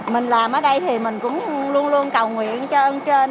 mình làm ở đây thì mình cũng luôn luôn cầu nguyện cho ơn trên